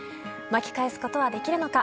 巻き返すことはできるのか。